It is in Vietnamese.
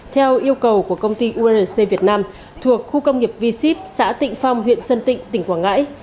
theo yêu cầu của công ty urc việt nam thuộc khu công nghiệp v ship xã tịnh phong huyện sơn tịnh tỉnh quảng ngãi